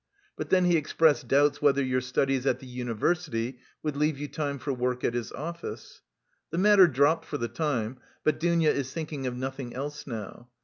but then he expressed doubts whether your studies at the university would leave you time for work at his office. The matter dropped for the time, but Dounia is thinking of nothing else now.